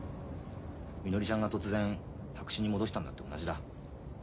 みのりちゃんが突然白紙に戻したのだって同じだ。